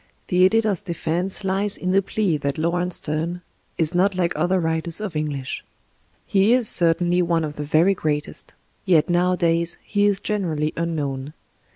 The editor's defense lies in the plea that Laurence Steme is not like other writers of English. He is certainly one of the very greatest. Yet nowadays he is generally unknown.